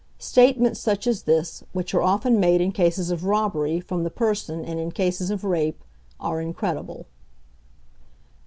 Statements such as this, which are often made in cases of robbery from the person and in cases of rape, are incredible.